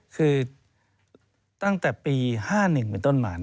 คือตั้งแต่ปี๕๑เป็นต้นมา